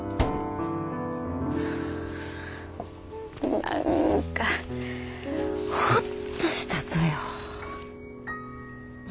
何かホッとしたとよ。